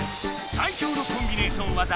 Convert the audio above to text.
さい強のコンビネーションわざ